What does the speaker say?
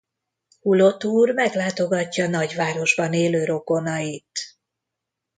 Hulot úr meglátogatja nagyvárosban élő rokonait.